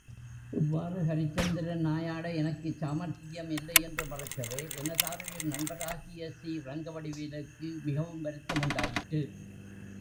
இவ்வாறு ஹரிச்சந்திரனாயாட எனக்குச் சாமர்த்தியமில்லை என்று மறுக்கவே, எனதாருயிர் நண்பராகிய சி.ரங்கவடிவேலுக்கு மிகவும் வருத்தமுண்டாயிற்று.